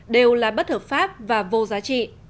đều là bất hợp pháp và vô giá trị